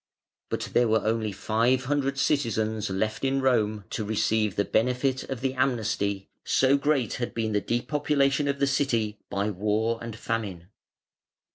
But there were only five hundred citizens left in Rome to receive the benefit of the amnesty, so great had been the depopulation of the City by war and famine.